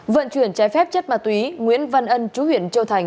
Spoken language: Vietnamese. vận chuyển trái phép chất ma túy nguyễn văn ân chú huyện châu thành